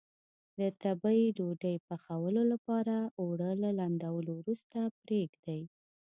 د تبۍ ډوډۍ پخولو لپاره اوړه له لندولو وروسته پرېږدي.